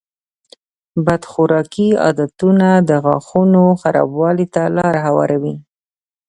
بد خوراکي عادتونه د غاښونو خرابوالي ته لاره هواروي.